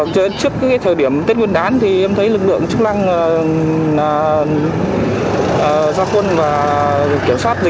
nhưng do khuôn và kiểm soát dịch bệnh thì em thấy rất là hợp lý và kịp thời